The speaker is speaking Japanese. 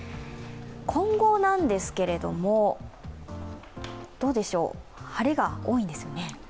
今後なんですけれども、どうでしょう、晴れが多いんですよね。